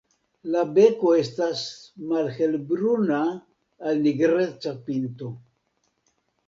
La beko estas malhelbruna al nigreca pinto.